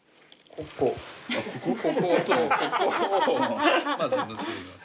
こことここをまず結びます。